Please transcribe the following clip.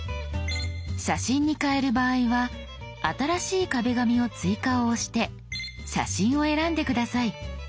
写真に変える場合は「新しい壁紙を追加」を押して「写真」を選んで下さい。